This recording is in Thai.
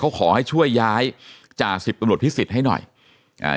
เขาขอให้ช่วยย้ายจ่าสิบตำรวจพิสิทธิ์ให้หน่อยอ่า